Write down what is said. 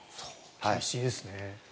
厳しいですね。